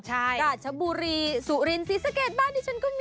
ราชบุรีสุรินศรีสะเกดบ้านที่ฉันก็มี